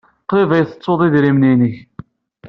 Qrib ay tettud idrimen-nnek.